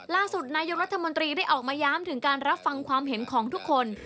ล่าสุดนายกรัฐมนตรีได้ออกมาย้ำถึงการรับฟังความเห็นของทุกคน